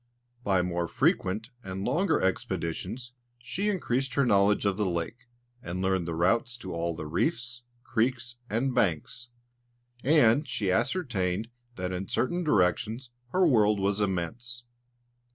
By more frequent and longer expeditions, she increased her knowledge of the lake, and learned the routes to all the reefs, creeks and banks; and she ascertained that in certain directions her world was immense.